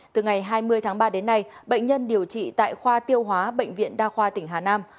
từ ngày hai mươi tháng ba đến nay bệnh nhân điều trị tại khoa tiêu hóa bệnh viện đa khoa tỉnh hà nam